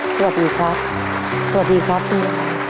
สวัสดีครับสวัสดีครับ